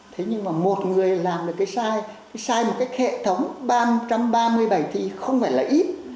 thế nhưng mà một người làm được cái sai cái sai một cái hệ thống ba một trăm ba mươi bảy thì không phải là ít